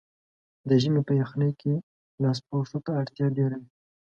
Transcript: د ژمي په یخنۍ کې لاسپوښو ته اړتیا ډېره وي.